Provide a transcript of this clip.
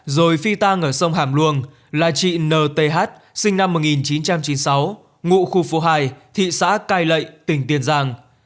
rồi phi tang ở sông hàm luông là chị nth sinh năm một nghìn chín trăm chín mươi sáu ngụ khu phố hai thị xã cai lệ tỉnh tiền giang